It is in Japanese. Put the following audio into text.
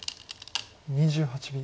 ２８秒。